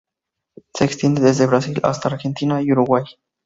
Se extiende desde Brasil hasta Argentina y Uruguay.